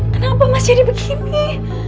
kenapa mas jadi begini